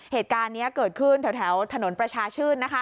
เหตุการณ์นี้เกิดขึ้นแถวถนนประชาชื่น